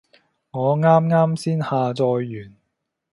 我啱啱先下載完